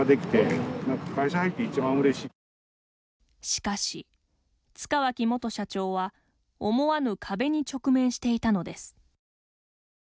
しかし、塚脇元社長は思わぬ壁に直面していたのです。